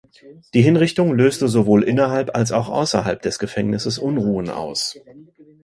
Die Hinrichtung löste sowohl innerhalb als auch außerhalb des Gefängnisses Unruhen aus.